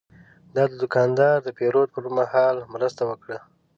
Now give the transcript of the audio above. دا دوکاندار د پیرود پر مهال مرسته وکړه.